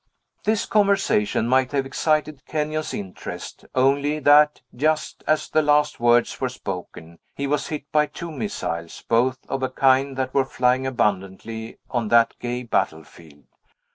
This conversation might have excited Kenyon's interest; only that, just as the last words were spoken, he was hit by two missiles, both of a kind that were flying abundantly on that gay battlefield.